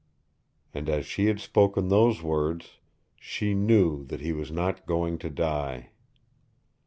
And as she had spoken those words SHE KNEW THAT HE WAS NOT GOING TO DIE!